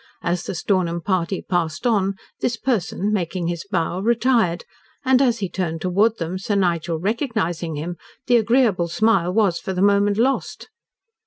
As the Stornham party passed on, this person, making his bow, retired, and, as he turned towards them, Sir Nigel recognising him, the agreeable smile was for the moment lost.